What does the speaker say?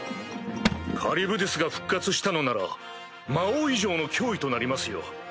カリュブディスが復活したのなら魔王以上の脅威となりますよ。